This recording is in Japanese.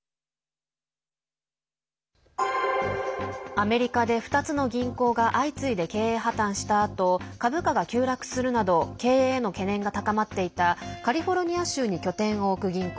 アメリカで２つの銀行が相次いで経営破綻したあと株価が急落するなど経営への懸念が高まっていたカリフォルニア州に拠点を置く銀行